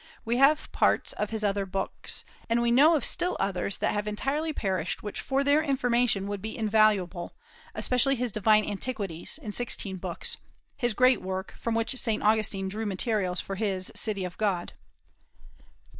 We have parts of his other books, and we know of still others that have entirely perished which for their information would be invaluable, especially his "Divine Antiquities," in sixteen books, his great work, from which Saint Augustine drew materials for his "City of God."